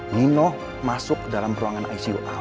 nino masuk dalam ruangan icu al